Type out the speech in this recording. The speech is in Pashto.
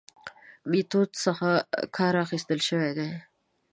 میتود څخه کار اخستل شوی دی.